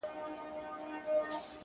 ستا په ډېرو ښایستو کي لویه خدایه,